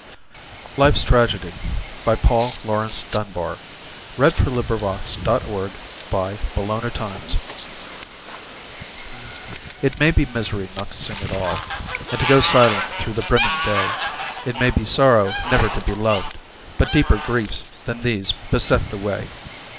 bar — Life's TragedyPaul Laurence Dunbar LIFE'S TRAGEDY It may be misery not to sing at all And to go silent through the brimming day. It may be sorrow never to be loved, But deeper griefs than these beset the way.